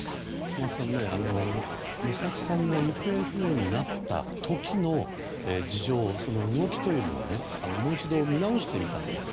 小松さん、美咲さんが行方不明になった時の事情その動きというのをもう一度、見直してみたんです。